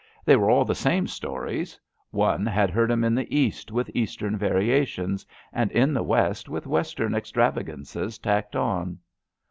They were all the same stories. One had heard 'em in the East with Eastern variations, and in the West with Western extravagances tacked on.